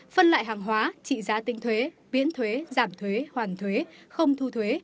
phân lại hàng hóa trị giá tinh thuế biến thuế giảm thuế hoàn thuế không thu thuế